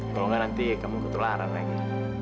tolonglah nanti kamu ketularan lagi